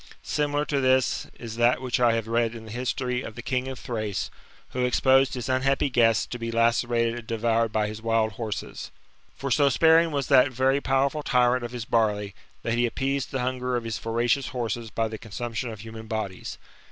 Similar to this is that which I have read in the history of the king of Thrace^ who exposed his unhappy guests to be lacerated and devoured by his wild horses. For so sparing was that very powerful tyrant of his barley, that he appeased the hunger of his voracious horses by the consumption of human bodies.